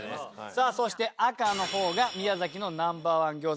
さぁそして赤の方が宮崎のＮｏ．１餃子。